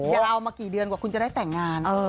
ยาวมากี่เดือนกว่าคุณจะได้แต่งงาน